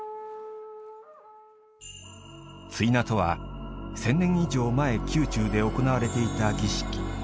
追儺とは、千年以上前宮中で行われていた儀式。